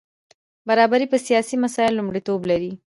برابري پر سیاسي مسایلو لومړیتوب لري.